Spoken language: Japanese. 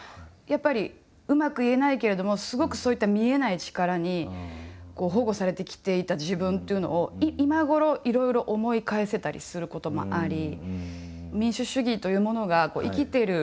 やっぱりうまく言えないけれどもすごくそういった見えない力に保護されてきていた自分というのを今頃いろいろ思い返せたりすることもあり。